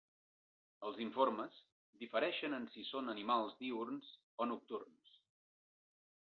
Els informes difereixen en si són animals diürns o nocturns.